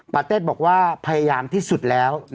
ประเทศบอกว่าพยายามที่สุดแล้ว